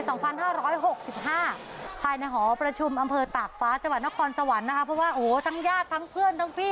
ทั้งญาติทั้งเพื่อนทั้งพี่ทั้งน้องทั้งพ่อทั้งแม่